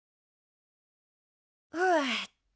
ふうっと。